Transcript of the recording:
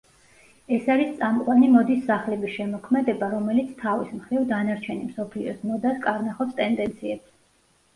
ეს არის წამყვანი მოდის სახლების შემოქმედება, რომელიც თავის მხრივ, დანარჩენი მსოფლიოს მოდას კარნახობს ტენდენციებს.